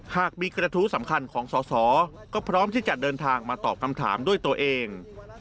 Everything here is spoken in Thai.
หากมีกระทู้สำคัญของสอสอก็พร้อมที่จะเดินทางมาตอบคำถามด้วยตัวเอง